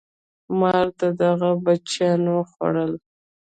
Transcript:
مار د هغه بچیان خوړل.